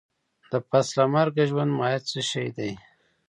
د پس له مرګه ژوند ماهيت څه شی دی؟